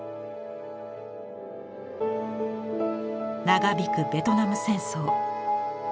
長引くベトナム戦争。